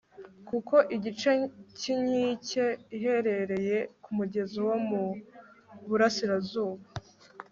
kuko igice cy'inkike iherereye ku mugezi wo mu burasirazuba